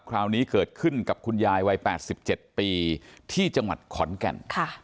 คราวนี้เกิดขึ้นกับคุณยายวัย๘๗ปีที่จังหวัดขอนแก่น